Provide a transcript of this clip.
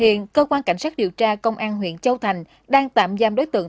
hiện cơ quan cảnh sát điều tra công an huyện châu thành đang tạm giam đối tượng